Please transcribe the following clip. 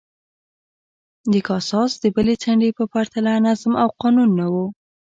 د کاساس د بلې څنډې په پرتله نظم او قانون نه و